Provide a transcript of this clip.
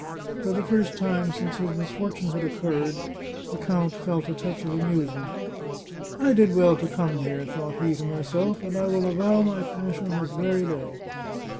For the first time since his misfortune had occurred, the count felt a touch of amusement. " I did well to come here," thought he to himself, " and I will avow my passion this very day."